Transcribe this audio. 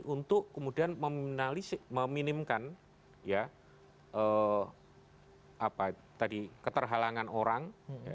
untuk kemudian meminalisi meminimkan ya keterhalangan orang